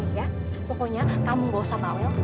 nih ya pokoknya kamu enggak usah pawel